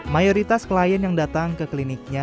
mayoritas klien yang datang ke kliniknya